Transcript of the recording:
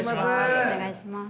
お願いします。